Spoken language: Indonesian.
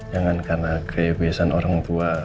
jangan karena kebebasan orang tua